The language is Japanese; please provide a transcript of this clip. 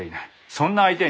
そんな相手に。